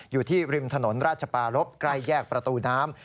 อยู่ที่ริมถนนราชปารพใกล้แยกประตูน้ำ